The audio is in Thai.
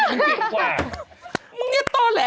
งินเก่งกว่า